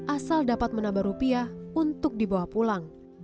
asal dapat menambah rupiah untuk dibawa pulang